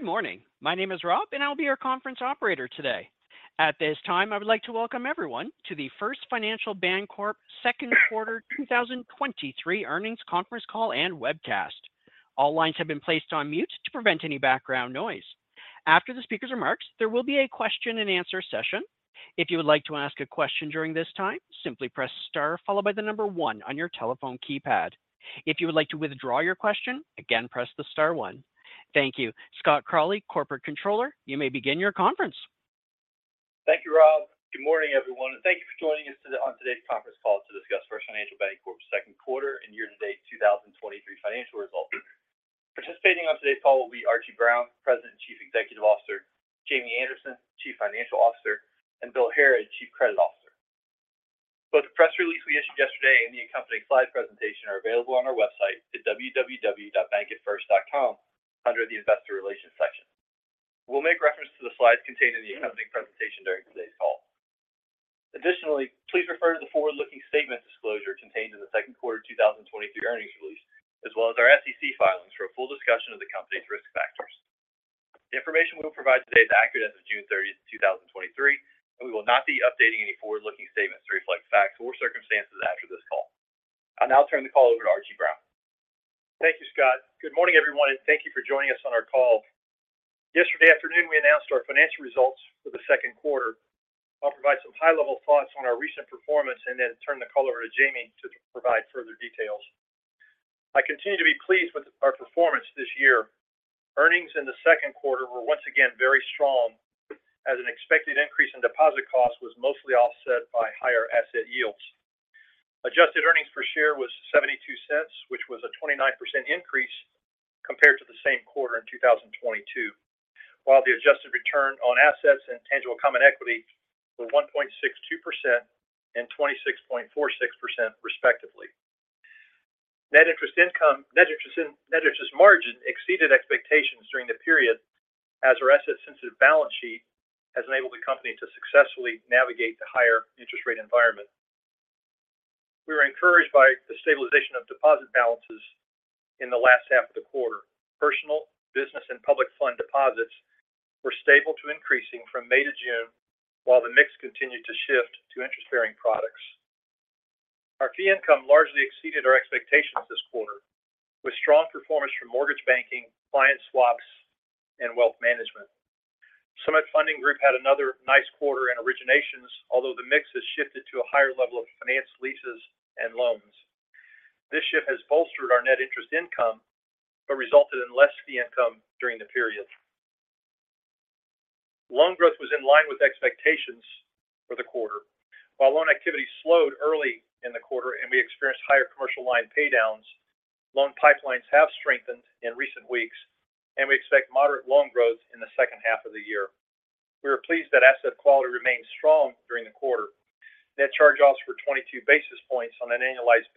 Good morning. My name is Rob, and I'll be your conference operator today. At this time, I would like to welcome everyone to the First Financial Bancorp Q2 2023 earnings conference call and webcast. All lines have been placed on mute to prevent any background noise. After the speaker's remarks, there will be a question and answer session. If you would like to ask a question during this time, simply press star followed by the number one on your telephone keypad. If you would like to withdraw your question, again, press the star one. Thank you. Scott Crawley, Corporate Controller, you may begin your conference. Thank you, Rob. Good morning, everyone, and thank you for joining us today on today's conference call to discuss First Financial Bancorp's Q2 and year-to-date 2023 financial results. Participating on today's call will be Archie Brown, President and Chief Executive Officer, Jamie Anderson, Chief Financial Officer, and Bill Harrod, Chief Credit Officer. Both the press release we issued yesterday and the accompanying slide presentation are available on our website at www.bankatfirst.com under the Investor Relations section. We'll make reference to the slides contained in the accompanying presentation during today's call. Additionally, please refer to the forward-looking statement disclosure contained in the Q2 2023 earnings release, as well as our SEC filings for a full discussion of the company's risk factors. The information we will provide today is accurate as of 13th june 2023 and we will not be updating any forward-looking statements to reflect facts or circumstances after this call. I'll now turn the call over to Archie Brown. Thank you, Scott. Good morning, everyone, and thank you for joining us on our call. Yesterday afternoon, we announced our financial results for the Q2. I'll provide some high-level thoughts on our recent performance and then turn the call over to Jamie to provide further details. I continue to be pleased with our performance this year. Earnings in the Q2 were once again very strong, as an expected increase in deposit costs was mostly offset by higher asset yields. Adjusted earnings per share was $0.72, which was a 29% increase compared to the same quarter in 2022, while the adjusted return on assets and tangible common equity were 1.62% and 26.46%, respectively. Net interest margin exceeded expectations during the period, as our asset-sensitive balance sheet has enabled the company to successfully navigate the higher interest rate environment. We were encouraged by the stabilization of deposit balances in the last half of the quarter. Personal, business, and public fund deposits were stable to increasing from May to June, while the mix continued to shift to interest-bearing products. Our fee income largely exceeded our expectations this quarter, with strong performance from mortgage banking, client swaps, and wealth management. Summit Funding Group had another nice quarter in originations, although the mix has shifted to a higher level of finance leases and loans. This shift has bolstered our net interest income, but resulted in less fee income during the period. Loan growth was in line with expectations for the quarter. Loan activity slowed early in the quarter and we experienced higher commercial line paydowns, loan pipelines have strengthened in recent weeks, and we expect moderate loan growth in the H1 of the year. We are pleased that asset quality remained strong during the quarter. Net charge-offs were 22 basis points on an annualized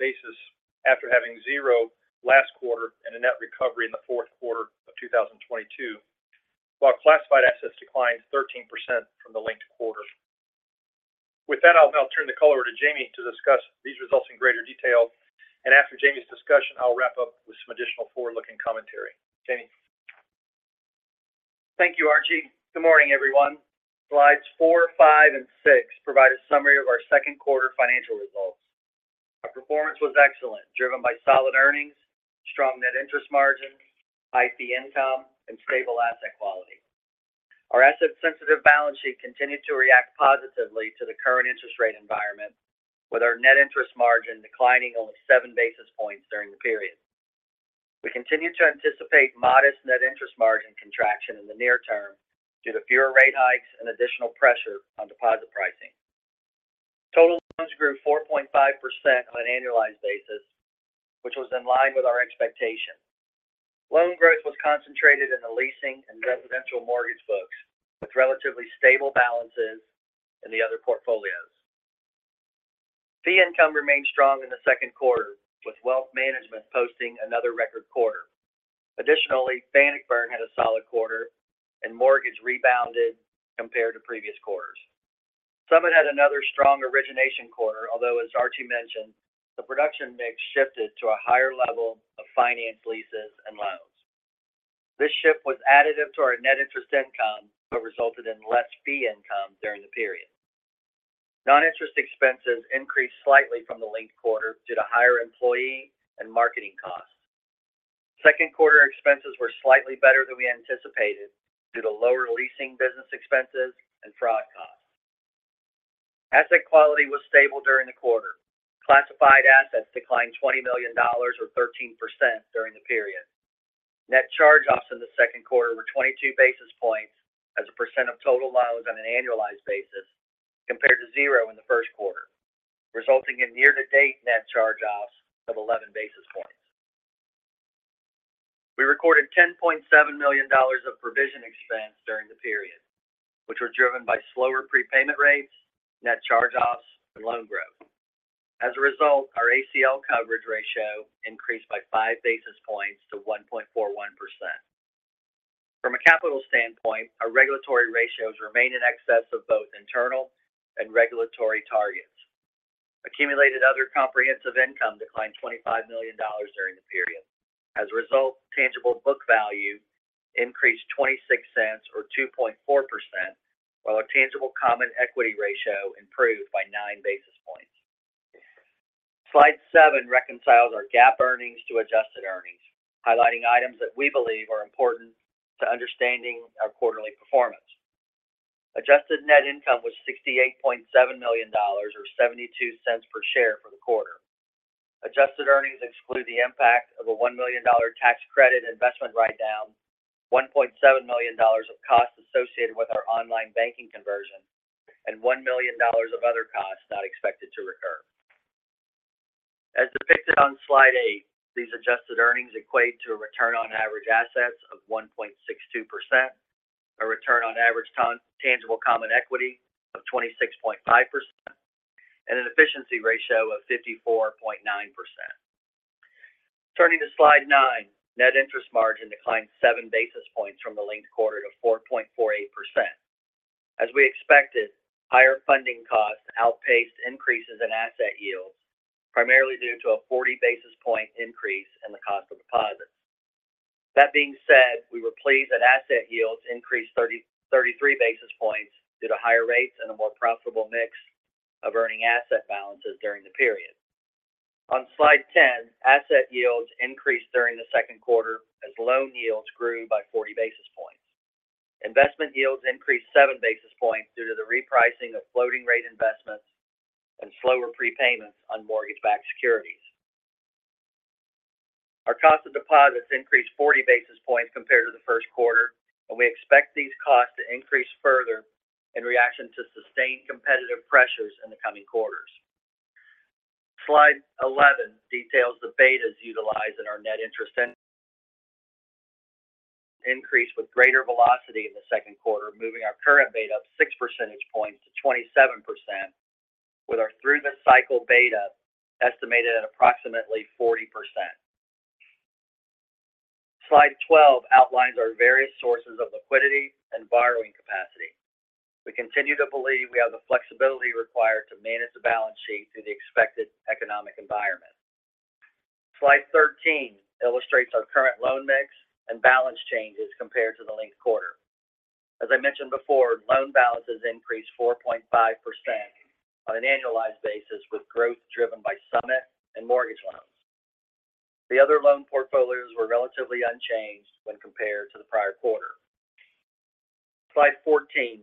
basis after having 0 last quarter and a net recovery in the Q4 of 2022, while classified assets declined 13% from the linked quarter. I'll now turn the call over to Jamie to discuss these results in greater detail, and after Jamie's discussion, I'll wrap up with some additional forward-looking commentary. Jamie? Thank you, Archie. Good morning, everyone. Slides four, five, and six provide a summary of our Q2 financial results. Our performance was excellent, driven by solid earnings, strong net interest margin, high fee income, and stable asset quality. Our asset-sensitive balance sheet continued to react positively to the current interest rate environment, with our net interest margin declining only 7 basis points during the period. We continue to anticipate modest net interest margin contraction in the near term due to fewer rate hikes and additional pressure on deposit pricing. Total loans grew 4.5% on an annualized basis, which was in line with our expectation. Loan growth was concentrated in the leasing and residential mortgage books, with relatively stable balances in the other portfolios. Fee income remained strong in the Q2, with wealth management posting another record quarter. Additionally, Bannockburn had a solid quarter, and mortgage rebounded compared to previous quarters. Summit had another strong origination quarter, although, as Archie mentioned, the production mix shifted to a higher level of finance leases and loans. This shift was additive to our net interest income, but resulted in less fee income during the period. Non-interest expenses increased slightly from the linked quarter due to higher employee and marketing costs. Q2 expenses were slightly better than we anticipated due to lower leasing business expenses and fraud costs. Asset quality was stable during the quarter. Classified assets declined $20 million or 13% during the period. Net charge-offs in the Q2 were 22 basis points as a % of total loans on an annualized basis compared to 0 in the Q1, resulting in year-to-date net charge-offs of 11 basis points. We recorded $10.7 million of provision expense during the period, which were driven by slower prepayment rates, net charge-offs, and loan growth. As a result, our ACL coverage ratio increased by five basis points to 1.41%. From a capital standpoint, our regulatory ratios remain in excess of both internal and regulatory targets. Accumulated other comprehensive income declined $25 million during the period. As a result, tangible book value increased $0.26 or 2.4%, while our tangible common equity ratio improved by nine basis points. Slide 7 reconciles our GAAP earnings to adjusted earnings, highlighting items that we believe are important to understanding our quarterly performance. Adjusted net income was $68.7 million, or $0.72 per share for the quarter. Adjusted earnings exclude the impact of a $1 million tax credit investment write-down, $1.7 million of costs associated with our online banking conversion, and $1 million of other costs not expected to recur. As depicted on Slide 8, these adjusted earnings equate to a return on average assets of 1.62%, a return on average tangible common equity of 26.5%, and an efficiency ratio of 54.9%. Turning to Slide 9, net interest margin declined 7 basis points from the linked quarter to 4.48%. As we expected, higher funding costs outpaced increases in asset yields, primarily due to a 40 basis point increase in the cost of deposits. That being said, we were pleased that asset yields increased 33 basis points due to higher rates and a more profitable mix of earning asset balances during the period. On Slide 10, asset yields increased during the Q2 as loan yields grew by 40 basis points. Investment yields increased 7 basis points due to the repricing of floating rate investments and slower prepayments on mortgage-backed securities. Our cost of deposits increased 40 basis points compared to the Q1. We expect these costs to increase further in reaction to sustained competitive pressures in the coming quarters. Slide 11 details the betas utilized in our net interest income increase with greater velocity in the Q2, moving our current beta up 6 percentage points to 27%, with our through-the-cycle beta estimated at approximately 40%. Slide 12 outlines our various sources of liquidity and borrowing capacity. We continue to believe we have the flexibility required to manage the balance sheet through the expected economic environment. Slide 13 illustrates our current loan mix and balance changes compared to the linked quarter. As I mentioned before, loan balances increased 4.5% on an annualized basis, with growth driven by Summit and mortgage loans. The other loan portfolios were relatively unchanged when compared to the prior quarter. Slide 14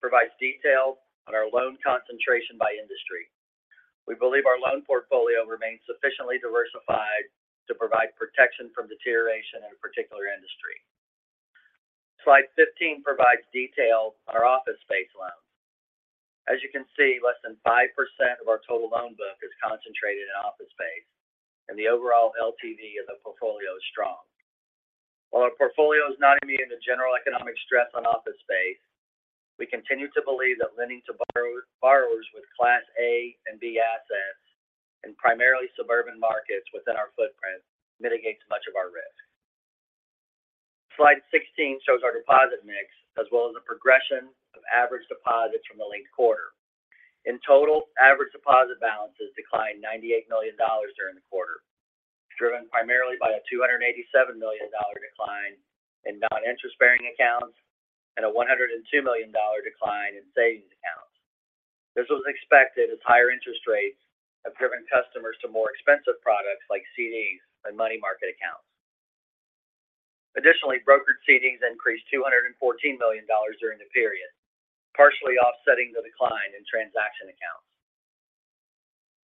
provides detail on our loan concentration by industry. We believe our loan portfolio remains sufficiently diversified to provide protection from deterioration in a particular industry. Slide 15 provides detail on our office space loans. As you can see, less than 5% of our total loan book is concentrated in office space, and the overall LTV of the portfolio is strong. While our portfolio is not immune to general economic stress on office space, we continue to believe that lending to borrowers with Class A and B assets in primarily suburban markets within our footprint mitigates much of our risk. Slide 16 shows our deposit mix, as well as the progression of average deposits from the linked quarter. In total, average deposit balances declined $98 million during the quarter, driven primarily by a $287 million decline in non-interest-bearing accounts and a $102 million decline in savings accounts. This was expected as higher interest rates have driven customers to more expensive products like CDs and money market accounts. Additionally, brokered CDs increased $214 million during the period, partially offsetting the decline in transaction accounts.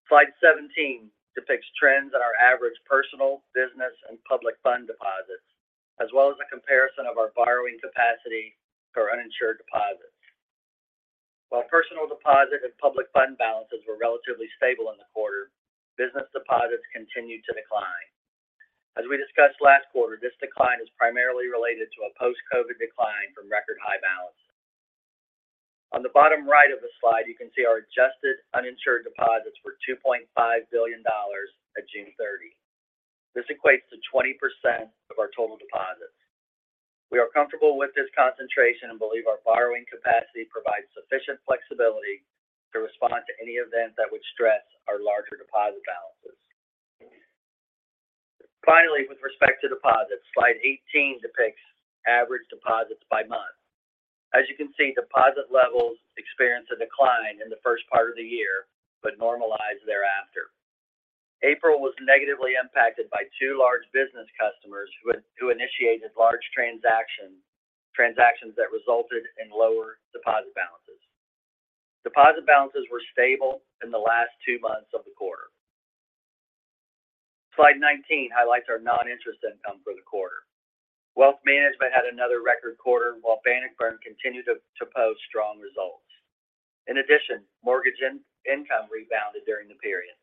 Slide 17 depicts trends in our average personal, business, and public fund deposits, as well as a comparison of our borrowing capacity to our uninsured deposits. While personal deposit and public fund balances were relatively stable in the quarter, business deposits continued to decline. As we discussed last quarter, this decline is primarily related to a post-COVID decline from record high balances. On the bottom right of the slide, you can see our adjusted uninsured deposits were $2.5 billion at June 30. This equates to 20% of our total deposits. We are comfortable with this concentration and believe our borrowing capacity provides sufficient flexibility to respond to any event that would stress our larger deposit balances. Finally, with respect to deposits, Slide 18 depicts average deposits by month. As you can see, deposit levels experienced a decline in the first part of the year, but normalized thereafter. April was negatively impacted by 2 large business customers who initiated large transactions that resulted in lower deposit balances. Deposit balances were stable in the last 2 months of the quarter. Slide 19 highlights our net interest income for the quarter. Wealth management had another record quarter, while Bannockburn continued to post strong results. In addition, mortgage income rebounded during the period.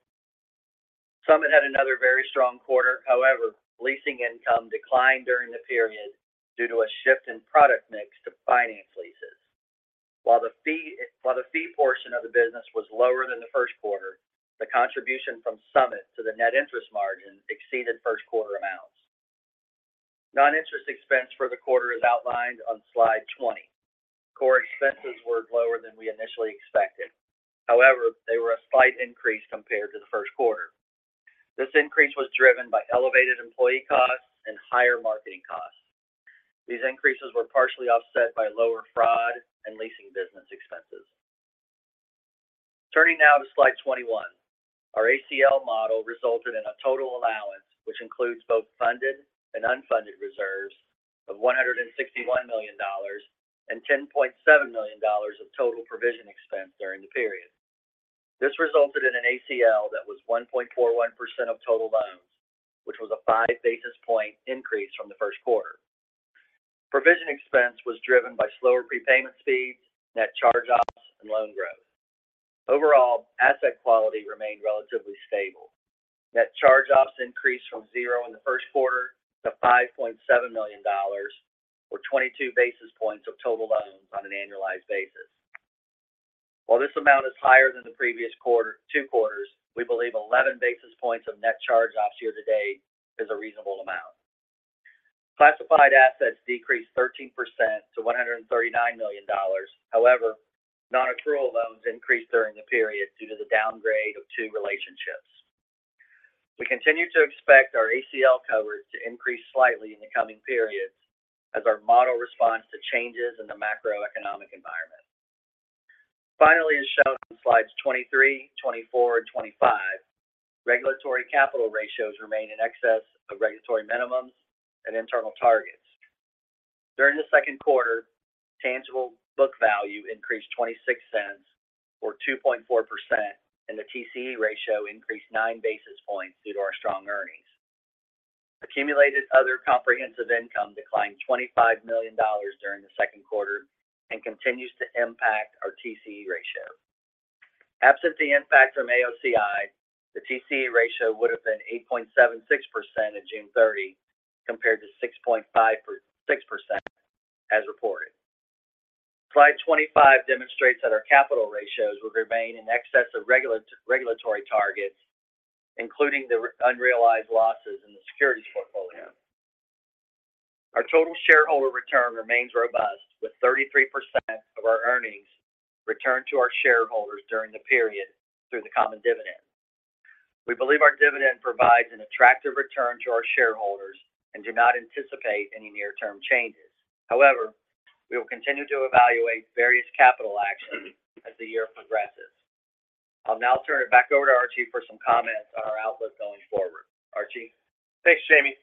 Summit had another very strong quarter. However, leasing income declined during the period due to a shift in product mix to finance leases. While the fee portion of the business was lower than the Q1, the contribution from Summit to the net interest margin exceeded Q1 amounts. Non-interest expense for the quarter is outlined on slide 20. Core expenses were lower than we initially expected. They were a slight increase compared to the Q1. This increase was driven by elevated employee costs and higher marketing costs. These increases were partially offset by lower fraud and leasing business expenses. Turning now to slide 21, our ACL model resulted in a total allowance, which includes both funded and unfunded reserves of $161 million and $10.7 million of total provision expense during the period. This resulted in an ACL that was 1.41% of total loans, which was a 5 basis point increase from the Q1. Provision expense was driven by slower prepayment speeds, net charge-offs, and loan growth. Overall, asset quality remained relatively stable. Net charge-offs increased from 0 in the Q1 to $5.7 million, or 22 basis points of total loans on an annualized basis. While this amount is higher than the previous two quarters, we believe 11 basis points of net charge-offs year to date is a reasonable amount. Classified assets decreased 13% to $139 million. However, nonaccrual loans increased during the period due to the downgrade of two relationships. We continue to expect our ACL coverage to increase slightly in the coming periods as our model responds to changes in the macroeconomic environment. Finally, as shown on slides 23, 24, and 25, regulatory capital ratios remain in excess of regulatory minimums and internal targets. During the Q2, tangible book value increased $0.26, or 2.4%, and the TCE ratio increased 9 basis points due to our strong earnings. Accumulated other comprehensive income declined $25 million during the Q2 and continues to impact our TCE ratio. Absent the impact from AOCI, the TCE ratio would have been 8.76% at June 30, compared to 6.56% as reported. Slide 25 demonstrates that our capital ratios will remain in excess of regulatory targets, including the unrealized losses in the securities portfolio. Our total shareholder return remains robust, with 33% of our earnings returned to our shareholders during the period through the common dividend. We believe our dividend provides an attractive return to our shareholders and do not anticipate any near-term changes. However, we will continue to evaluate various capital actions as the year progresses. I'll now turn it back over to Archie for some comments on our outlook going forward. Archie? Thanks, Jamie.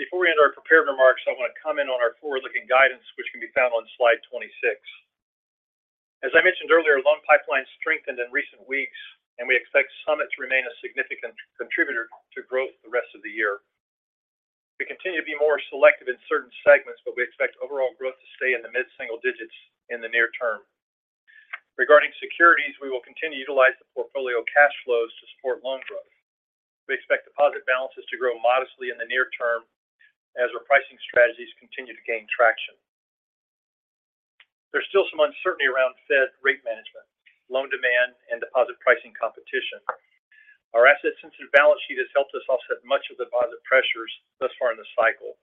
Before we end our prepared remarks, I want to comment on our forward-looking guidance, which can be found on slide 26. As I mentioned earlier, loan pipeline strengthened in recent weeks, and we expect Summit to remain a significant contributor to growth the rest of the year. We continue to be more selective in certain segments, but we expect overall growth to stay in the mid-single digits in the near term. Regarding securities, we will continue to utilize the portfolio cash flows to support loan growth. We expect deposit balances to grow modestly in the near term as our pricing strategies continue to gain traction. There's still some uncertainty around Fed rate management, loan demand, and deposit pricing competition. Our asset-sensitive balance sheet has helped us offset much of the deposit pressures thus far in the cycle.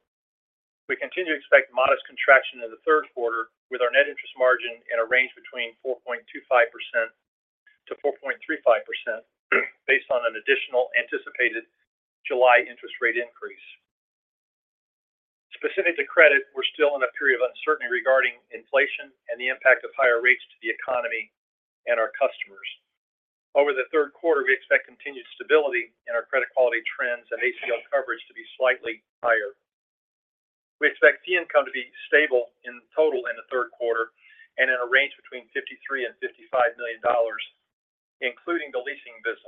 We continue to expect modest contraction in the Q3, with our net interest margin in a range between 4.25%-4.35%, based on an additional anticipated July interest rate increase. Specific to credit, we're still in a period of uncertainty regarding inflation and the impact of higher rates to the economy and our customers. Over the Q3, we expect continued stability in our credit quality trends and ACL coverage to be slightly higher. We expect fee income to be stable in total in the Q3 and in a range between $53 million-$55 million, including the leasing business.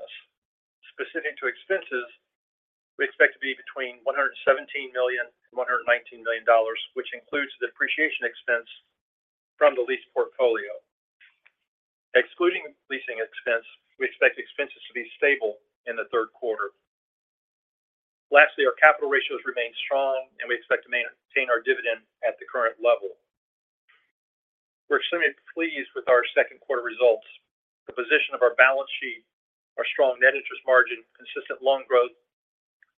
Specific to expenses, we expect to be between $117 million-$119 million, which includes the depreciation expense from the lease portfolio. Excluding the leasing expense, we expect expenses to be stable in the Q3. Lastly, our capital ratios remain strong, and we expect to maintain our dividend at the current level. We're extremely pleased with our Q2 results. The position of our balance sheet, our strong net interest margin, consistent loan growth,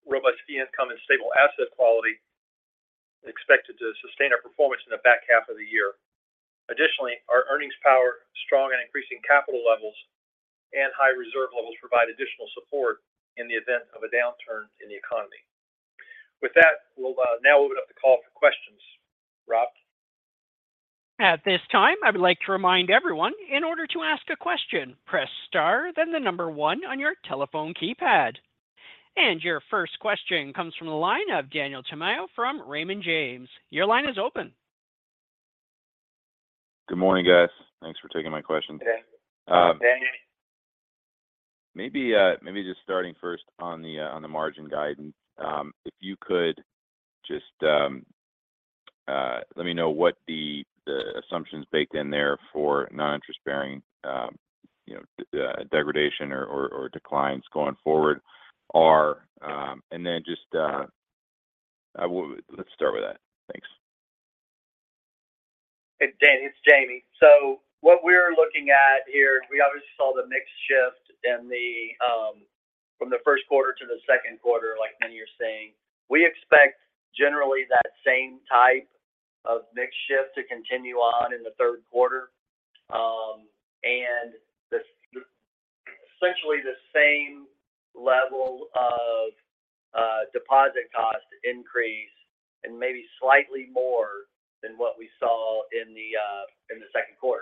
robust fee income, and stable asset quality are expected to sustain our performance in the back half of the year. Additionally, our earnings power, strong and increasing capital levels, and high reserve levels provide additional support in the event of a downturn in the economy. With that, we'll now open up the call for questions. Rob? At this time, I would like to remind everyone in order to ask a question, press star, then 1 on your telephone keypad. Your first question comes from the line of Daniel Tamayo from Raymond James. Your line is open. Good morning, guys. Thanks for taking my question. Good day, Danny. Maybe, maybe just starting first on the margin guidance, if you could just let me know what the assumptions baked in there for non-interest bearing, you know, degradation or declines going forward are? Then just, well, let's start with that. Dan, it's Jamie. What we're looking at here is we obviously saw the mix shift in the from the Q1 to the Q2, like many are saying. We expect generally that same type of mix shift to continue on in the Q3. Essentially the same level of deposit cost increase and maybe slightly more than what we saw in the Q2.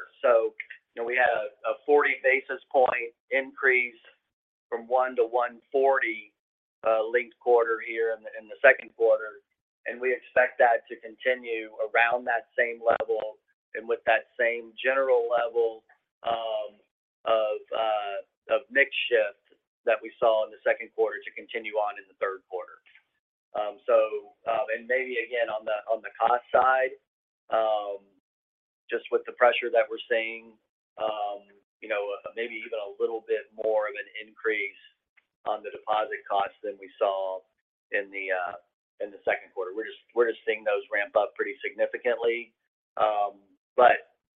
You know, we had a 40 basis point increase from 1 to 140 linked quarter here in the Q2, we expect that to continue around that same level and with that same general level of mix shift that we saw in the Q2 to continue on in the Q3. Maybe again, on the, on the cost side, just with the pressure that we're seeing, you know, maybe even a little bit more of an increase on the deposit costs than we saw in the Q2. We're just seeing those ramp up pretty significantly.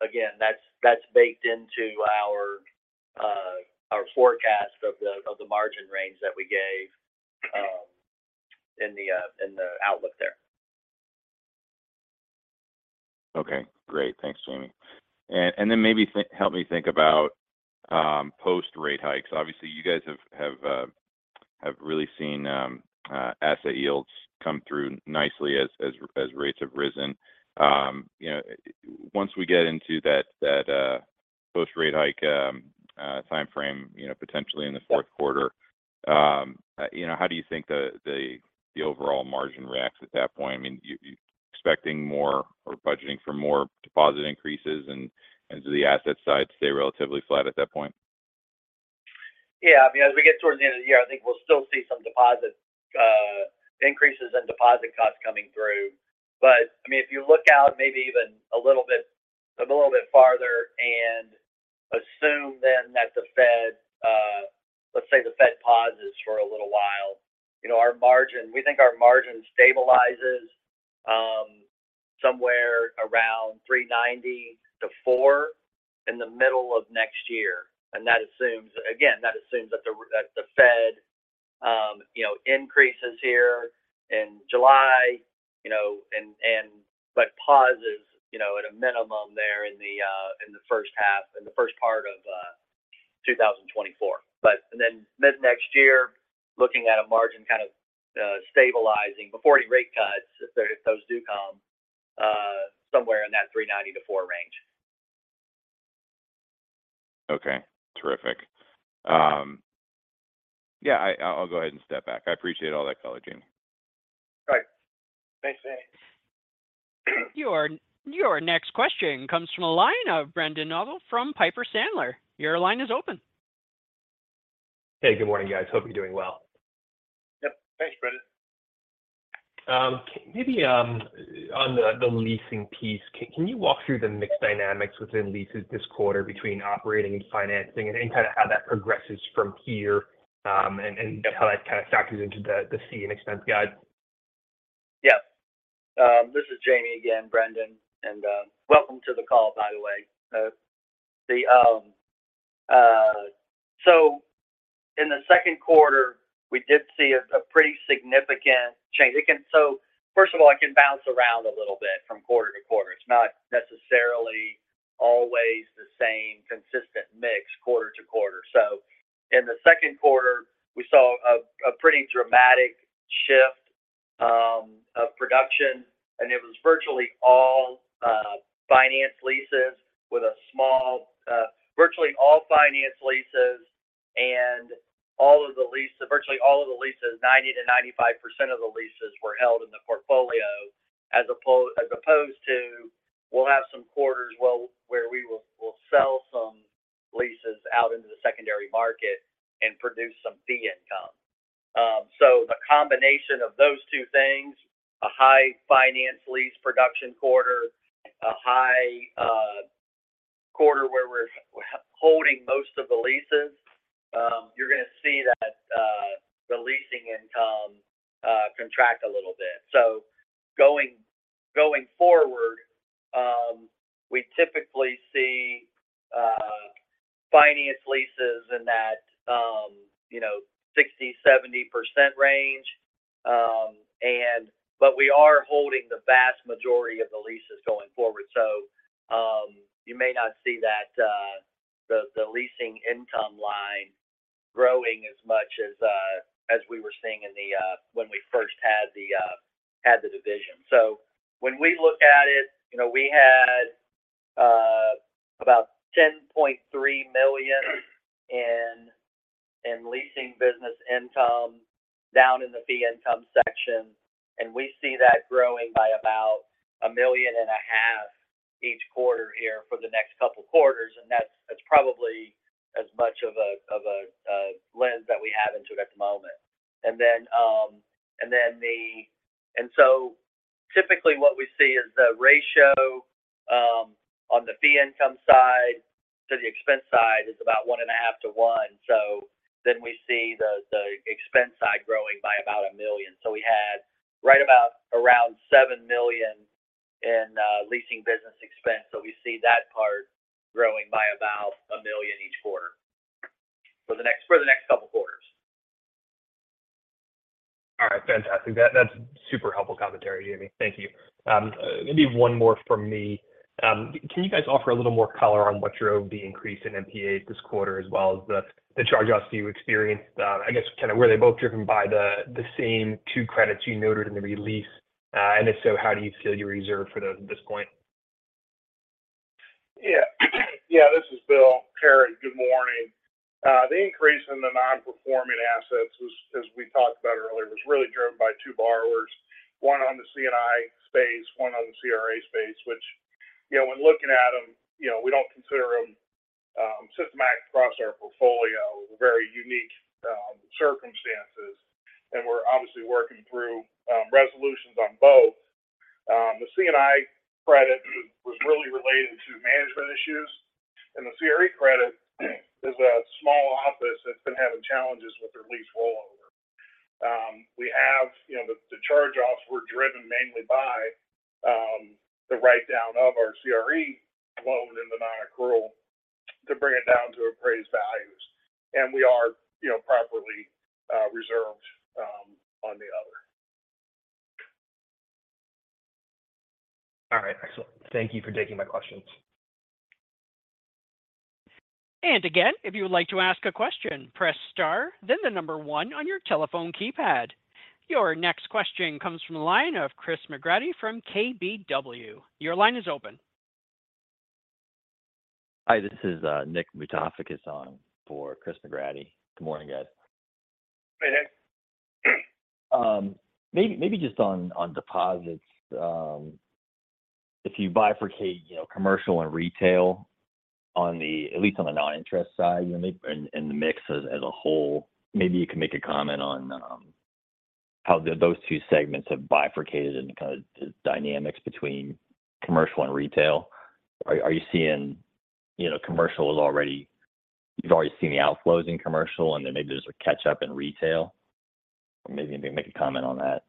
Again, that's baked into our forecast of the margin range that we gave in the outlook there. Okay, great. Thanks, Jamie. Maybe help me think about post rate hikes. Obviously, you guys have really seen asset yields come through nicely as rates have risen. You know, once we get into that post rate hike time frame, you know, potentially in the Q4, you know, how do you think the overall margin reacts at that point? I mean, you expecting more or budgeting for more deposit increases, and do the asset side stay relatively flat at that point? Yeah, I mean, as we get towards the end of the year, I think we'll still see some deposit increases in deposit costs coming through. I mean, if you look out maybe even a little bit farther and assume then that the Fed, let's say the Fed pauses for a little while, you know, we think our margin stabilizes, somewhere around 3.90%-4% in the middle of next year. That assumes, again, that assumes that the Fed, you know, increases here in July, you know, but pauses, you know, at a minimum there in the first part of 2024. Mid-next year, looking at a margin kind of, stabilizing before any rate cuts, if those do come, somewhere in that 3.90%-4% range. Okay. Terrific. Yeah, I'll go ahead and step back. I appreciate all that color, Jamie. Right. Thanks, Danny. Your next question comes from a line of Brendan Nosal from Piper Sandler. Your line is open. Hey, good morning, guys. Hope you're doing well. Yep. Thanks, Brendan. Maybe, on the leasing piece, can you walk through the mix dynamics within leases this quarter between operating and financing and any kind of how that progresses from here, and how that kind of factors into the C and expense guide? Yeah. This is Jamie again, Brendan, welcome to the call, by the way. In the Q2, we did see a pretty significant change. First of all, it can bounce around a little bit from quarter to quarter. It's not necessarily always the same consistent mix quarter to quarter. In the Q2, we did see a pretty dramatic shift of production, and it was virtually all finance leases and all of the leases, virtually all of the leases, 90%-95% of the leases were held in the portfolio, as opposed to, we'll have some quarters well, where we'll sell some leases out into the secondary market and produce some fee income. The combination of those two things, a high finance lease production quarter, a high quarter where we're holding most of the leases, you're gonna see that the leasing income contract a little bit. Going forward, we typically see finance leases in that, you know, 60%-70% range. We are holding the vast majority of the leases going forward. You may not see that the leasing income line growing as much as we were seeing in the when we first had the had the division. When we look at it, you know, we had about $10.3 million in leasing business income down in the fee income section, and we see that growing by about a million and a half each quarter here for the next couple of quarters, and that's probably as much of a lens that we have into it at the moment. Typically what we see is the ratio on the fee income side, so the expense side is about 1.5 to 1. We see the expense side growing by about $1 million. We had right about around $7 million in leasing business expense. We see that part growing by about $1 million each quarter for the next couple quarters. All right. Fantastic. That's super helpful commentary, Jamie. Thank you. Maybe one more from me. Can you guys offer a little more color on what your OB increase in NPA this quarter, as well as the charge-offs you experienced? I guess, kind of were they both driven by the same two credits you noted in the release? If so, how do you feel your reserve for this point? This is Bill Harrod. Good morning. The increase in the non-performing assets was, as we talked about earlier, was really driven by 2 borrowers, one on the C&I space, one on the CRE space, which, you know, when looking at them, you know, we don't consider them systematic across our portfolio, very unique circumstances. We're obviously working through resolutions on both. The C&I credit was really related to management issues, and the CRE credit is a small office that's been having challenges with their lease rollover. We have, you know, the charge-offs were driven mainly by the write-down of our CRE loan in the nonaccrual to bring it down to appraised values. We are, you know, properly reserved on the other. All right. Excellent. Thank you for taking my questions. Again, if you would like to ask a question, press star, then the 1 on your telephone keypad. Your next question comes from the line of Christopher McGratty from KBW. Your line is open. Hi, this is Nick Mutafekis on for Christopher McGratty. Good morning, guys. Hey, Nick. Maybe just on deposits, if you bifurcate, you know, commercial and retail at least on the non-interest side, you know, in the mix as a whole, maybe you can make a comment on how those two segments have bifurcated and kind of the dynamics between commercial and retail. Are you seeing, you know, commercial you've already seen the outflows in commercial, and then maybe there's a catch-up in retail? Maybe you can make a comment on that.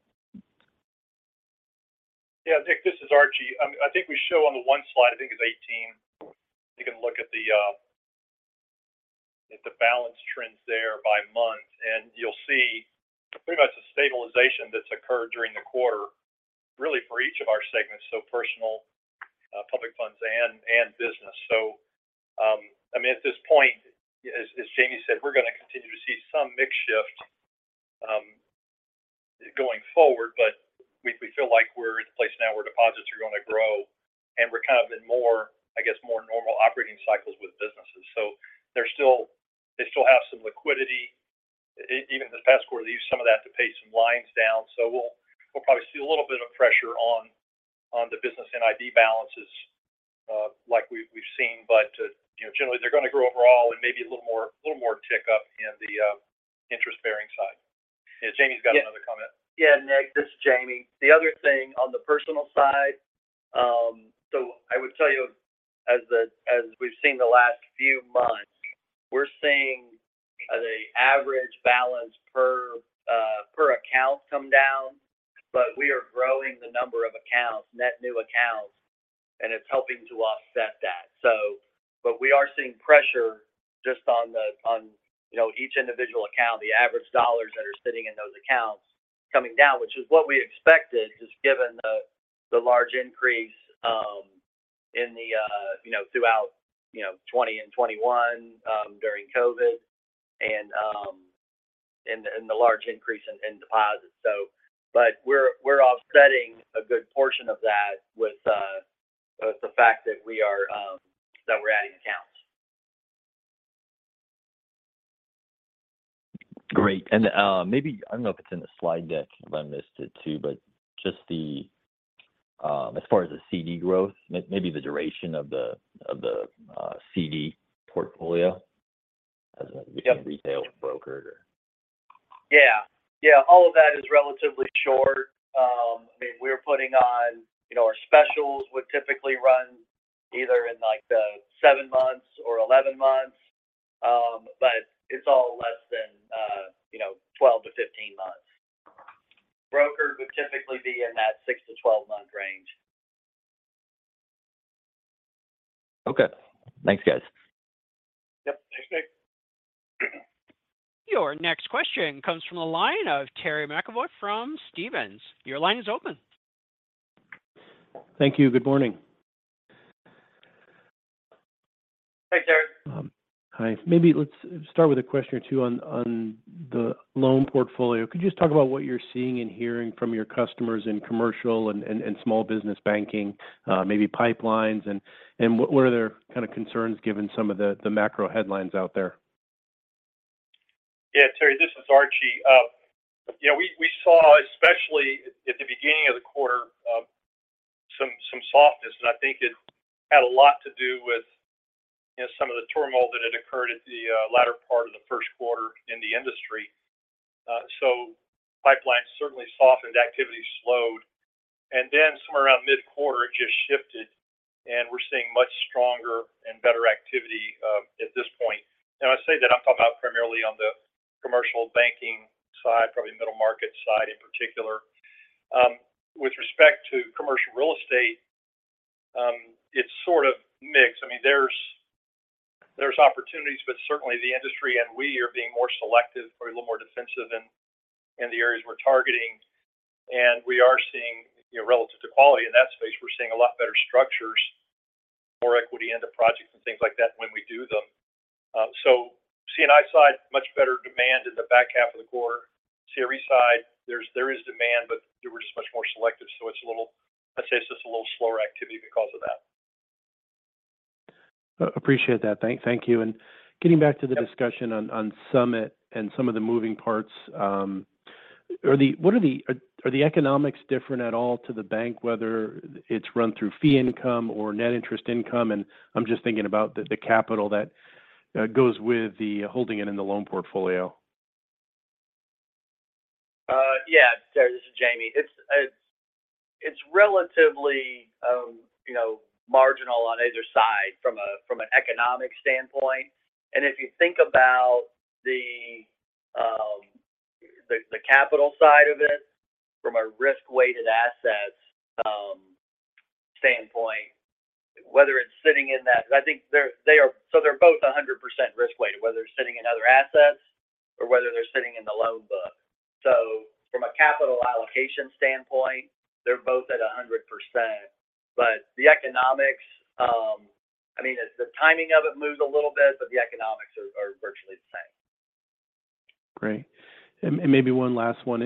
Yeah, Nick, this is Archie. I think we show on the 1 slide, I think it's 18. You can look at the at the balance trends there by month, and you'll see pretty much the stabilization that's occurred during the quarter, really for each of our segments, so personal, public funds, and business. I mean, at this point, as Jamie said, we're going to continue to see some mix shift going forward, but we feel like we're at the place now where deposits are going to grow, and we're kind of in more, I guess, more normal operating cycles the fact that we are that we're adding accounts. Great. Maybe, I don't know if it's in the slide deck, if I missed it, too, but just the as far as the CD growth, maybe the duration of the CD portfolio. Yep... between retail and brokered? Yeah. Yeah, all of that is relatively short. I mean, we're putting on, you know, our specials would typically run either in, like, the 7 months or 11 months, but it's all less than, you know, 12 to 15 months. Brokered would typically be in that 6-to-12-month range. Okay. Thanks, guys. Yep. Thanks, Nick. Your next question comes from the line of Terry McEvoy from Stephens. Your line is open. Thank you. Good morning. Hi, Terry. Hi. Maybe let's start with a question or two on the loan portfolio. Could you just talk about what you're seeing and hearing from your customers in commercial and small business banking, maybe pipelines and what are their kind of concerns, given some of the macro headlines out there? Yeah, Terry, this is Archie. You know, we saw, especially at the beginning of the quarter, some softness, and I think it had a lot to do with, you know, some of the turmoil that had occurred at the latter part of the Q1 in the industry. Pipelines certainly softened, activity slowed. Somewhere around mid-quarter, it just shifted, and we're seeing much stronger and better activity at this point. Now, I say that I'm talking about primarily on the commercial banking side, probably middle market side in particular. With respect to commercial real estate, it's sort of mixed. I mean, there's opportunities, but certainly the industry and we are being more selective or a little more defensive in the areas we're targeting. We are seeing, you know, relative to quality in that space, we're seeing a lot better structures, more equity into projects and things like that when we do them. C&I side, much better demand in the back half of the quarter. CRE side, there is demand, but we're just much more selective, so it's a little, I'd say it's just a little slower activity because of that. Appreciate that. Thank you. Getting back to the discussion on Summit and some of the moving parts, what are the economics different at all to the bank, whether it's run through fee income or net interest income? I'm just thinking about the capital that goes with the holding it in the loan portfolio. Yeah. Terry, this is Jamie. It's relatively, you know, marginal on either side from an economic standpoint. If you think about the capital side of it from a risk-weighted asset standpoint, whether it's sitting in that... I think they're both 100% risk-weighted, whether they're sitting in other assets or whether they're sitting in the loan book. From a capital allocation standpoint, they're both at 100%. The economics, I mean, it's the timing of it moves a little bit, but the economics are virtually the same. Great. Maybe one last one.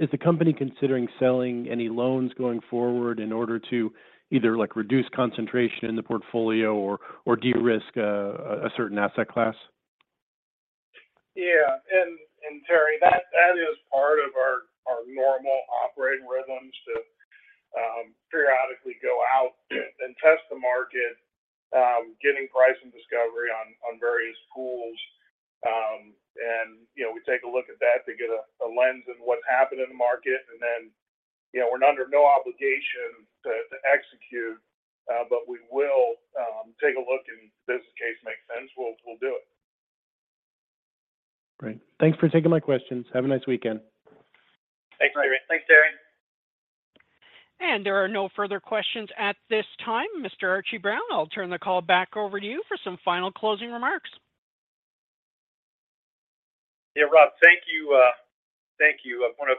Is the company considering selling any loans going forward in order to either, like, reduce concentration in the portfolio or de-risk a certain asset class? Yeah. Terry, that is part of our normal operating rhythms to periodically go out and test the market, getting pricing discovery on various pools. You know, we take a look at that to get a lens in what's happened in the market. You know, we're under no obligation to execute, we will take a look, and if this case makes sense, we'll do it. Great. Thanks for taking my questions. Have a nice weekend. Thanks, Terry. Thanks, Terry. There are no further questions at this time. Mr. Archie Brown, I'll turn the call back over to you for some final closing remarks. Yeah, Rob, thank you. Thank you. I want to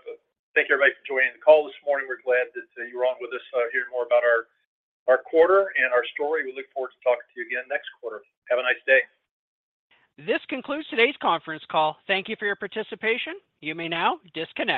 thank everybody for joining the call this morning. We're glad that you were on with us to hear more about our quarter and our story. We look forward to talking to you again next quarter. Have a nice day. This concludes today's conference call. Thank you for your participation. You may now disconnect.